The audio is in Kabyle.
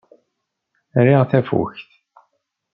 Riɣ tafukt.